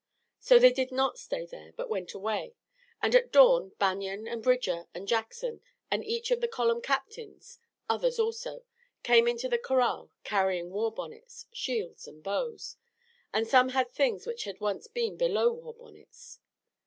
So they did not stay there, but went away. And at dawn Banion and Bridger and Jackson and each of the column captains others also came into the corral carrying war bonnets, shields and bows; and some had things which had been once below war bonnets.